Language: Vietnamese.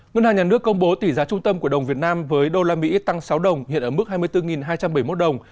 ngân hàng nhà nước công bố tỷ giá trung tâm của đồng việt nam với đô la mỹ tăng sáu đồng hiện ở mức hai mươi bốn hai trăm bảy mươi một đồng